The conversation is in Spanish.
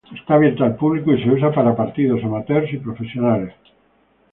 Es abierta al público y se usa para partidos amateurs y profesionales.